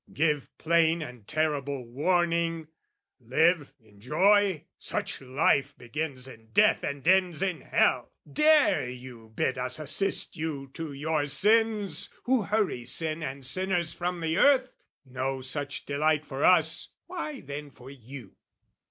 Give plain and terrible warning, "Live, enjoy? "Such life begins in death and ends in hell! "Dare you bid us assist you to your sins "Who hurry sin and sinners from the earth? "No such delight for us, why then for you?